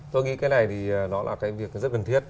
tôi nghĩ cái này thì nó là cái việc rất cần thiết